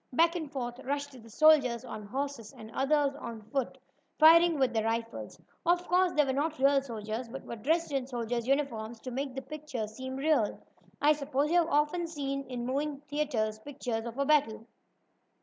Back and forth rushed the soldiers on horses, and others on foot, firing with their rifles. Of course they were not real soldiers, but were dressed in soldiers' uniforms to make the picture seem real. I suppose you have often seen in moving picture theatres pictures of a battle.